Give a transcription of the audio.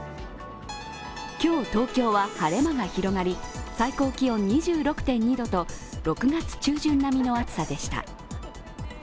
今日、東京は晴れ間が広がり最高気温２６．２度と６月中旬並みの暑さでした。